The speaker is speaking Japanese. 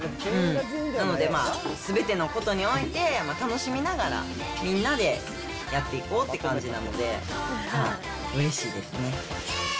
なので、まあすべてのことにおいて、楽しみながら、みんなでやっていこうって感じなので、うれしいですね。